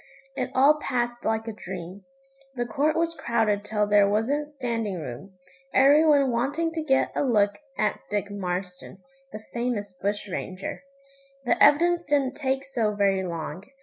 It all passed like a dream. The court was crowded till there wasn't standing room, every one wanting to get a look at Dick Marston, the famous bush ranger. The evidence didn't take so very long.